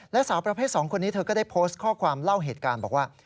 และสาวประเภท๒คนนี้เธอก็ได้โพสต์ข้อความเล่าเหตุการณ์บอกว่า